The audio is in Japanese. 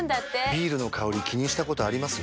ビールの香り気にしたことあります？